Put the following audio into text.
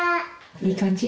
いい感じ？